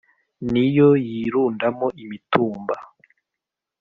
Ni yo yirundamo imitumba,